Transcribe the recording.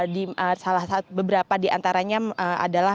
di salah beberapa diantaranya adalah